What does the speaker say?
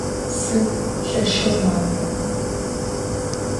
Сыгу лъэшэу мапэ.